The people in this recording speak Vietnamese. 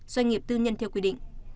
doanh nghiệp tư nhân theo quy định